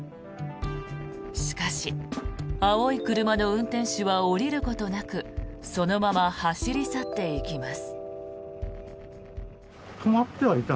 しかし、青い車の運転手は降りることなくそのまま走り去っていきます。